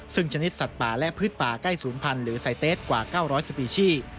ซึ่งชนิดสัตว์ป่าและพืชป่าใกล้ศูนย์พันธุ์หรือไซเตสกว่า๙๐สปีชี